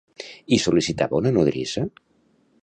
I sol·licitava una nodrissa?